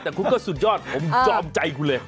แต่คุณก็สุดยอดผมจอมใจคุณเลย